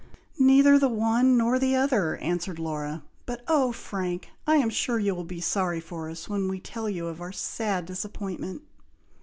"Neither the one nor the other," answered Laura. "But, oh! Frank, I am sure you will be sorry for us, when we tell you of our sad disappointment!"